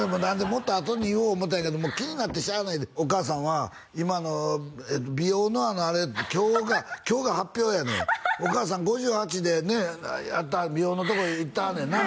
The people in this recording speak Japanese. もっとあとに言おう思うたんやけどもう気になってしゃあないお母さんは今あの美容のあのあれ今日が発表やねんお母さん５８でね美容のところへ行ってはんねんな？